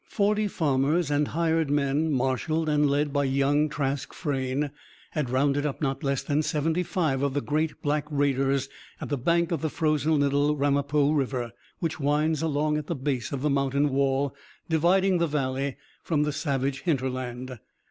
Forty farmers and hired men, marshalled and led by young Trask Frayne, had rounded up not less than seventy five of the great black raiders at the bank of the frozen little Ramapo river, which winds along at the base of the mountain wall, dividing the Valley from the savage hinterland.